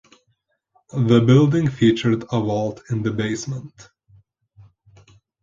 The building featured a vault in the basement.